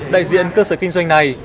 đại diện cơ sở kinh doanh này